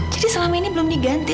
jadi selama ini belum diganti